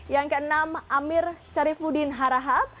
yang keenam amir sharifudin harahab